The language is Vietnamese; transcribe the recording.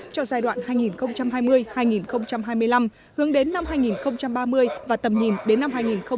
cho giai đoạn hai nghìn hai mươi hai nghìn hai mươi năm hướng đến năm hai nghìn ba mươi và tầm nhìn đến năm hai nghìn bốn mươi năm